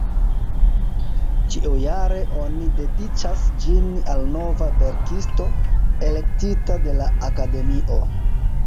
Ĉiujare oni dediĉas ĝin al nova verkisto, elektita de la Akademio.